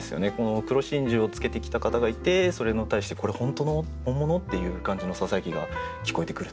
黒真珠を着けてきた方がいてそれに対して「これ本当の？」「本物？」っていう感じの囁きが聞こえてくる。